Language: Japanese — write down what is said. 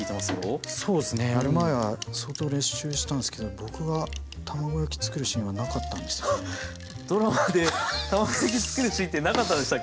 そうですねやる前は相当練習したんですけどドラマで卵焼き作るシーンってなかったんでしたっけ？